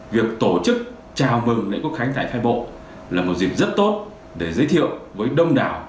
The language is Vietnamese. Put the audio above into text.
việc tổ chức chào mừng lễ quốc khánh tại phái bộ là một dịp rất tốt để giới thiệu với đông đảo